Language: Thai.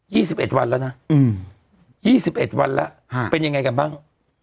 สิบเอ็ดวันแล้วนะอืมยี่สิบเอ็ดวันแล้วฮะเป็นยังไงกันบ้าง